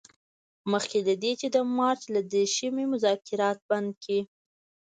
مخکې له دې چې د مارچ له دیرشمې مذاکرات بند کړي.